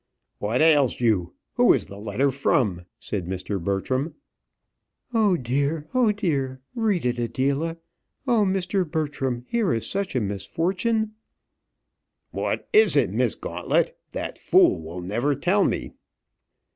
"What ails you? Who is the letter from?" said Mr. Bertram. "Oh, dear! oh, dear! Read it, Adela. Oh, Mr. Bertram, here is such a misfortune!" "What is it, Miss Gauntlet? That fool will never tell me."